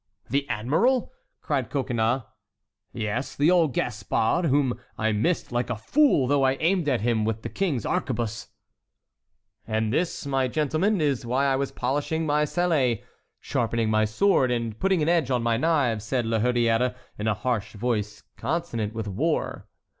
"The admiral!" cried Coconnas. "Yes, the old Gaspard, whom I missed, like a fool, though I aimed at him with the King's arquebuse." "And this, my gentleman, is why I was polishing my sallet, sharpening my sword, and putting an edge on my knives," said La Hurière, in a harsh voice consonant with war.